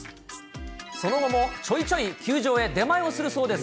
その後も、ちょいちょい球場へ出前をするそうです。